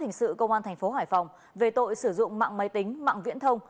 hình sự công an thành phố hải phòng về tội sử dụng mạng máy tính mạng viễn thông